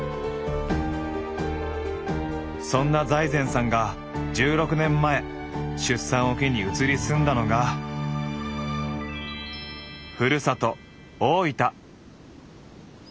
そんな財前さんが１６年前出産を機に移り住んだのがふるさと大分。